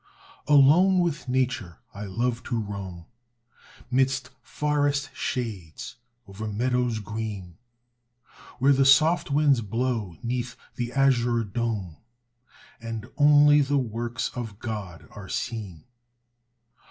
Alone with nature I love to roam, 'Midst forest shades, o'er meadows green, Where the soft winds blow 'neath the azure dome, And only the Works of God are seen.